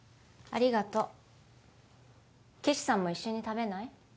ありがと岸さんも一緒に食べない？